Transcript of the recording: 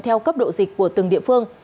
theo cấp độ dịch của từng địa phương